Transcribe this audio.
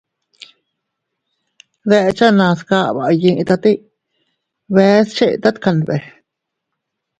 Dechenas kaba iyitate bee chetat kanbe.